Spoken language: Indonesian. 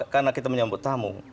karena kita menyambut tamu